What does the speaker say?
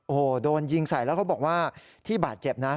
โอ้โหโดนยิงใส่แล้วเขาบอกว่าที่บาดเจ็บนะ